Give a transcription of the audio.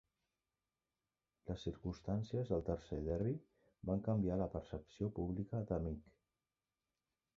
Les circumstàncies del tercer derbi van canviar la percepció pública de Mick.